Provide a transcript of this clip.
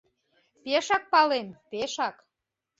— Пешак палем, пешак...